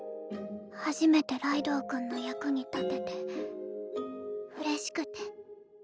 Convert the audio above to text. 初めてライドウ君の役に立ててうれしくて。